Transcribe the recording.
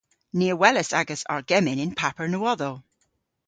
Ni a welas agas argemmyn y'n paper nowodhow.